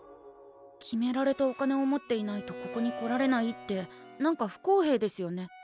決められたお金を持っていないとここに来られないって何か不公平ですよね。